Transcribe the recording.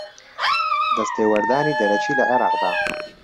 دەستێوەردانی دەرەکی لە عێراقدا